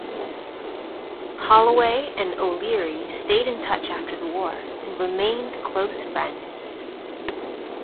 Holloway and O'Leary stayed in touch after the war and remained close friends.